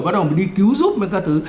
bắt đầu đi cứu giúp với các thứ